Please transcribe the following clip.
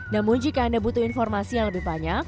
namun jika anda butuh informasi yang lebih banyak